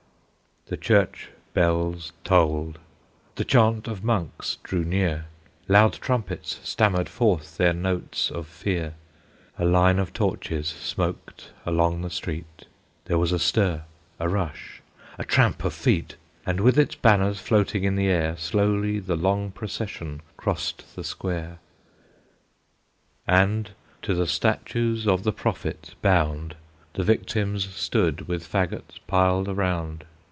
The church bells tolled, the chant of monks drew near, Loud trumpets stammered forth their notes of fear, A line of torches smoked along the street, There was a stir, a rush, a tramp of feet, And, with its banners floating in the air, Slowly the long procession crossed the square, And, to the statues of the Prophets bound, The victims stood, with fagots piled around.